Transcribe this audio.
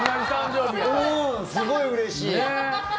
すごいうれしい。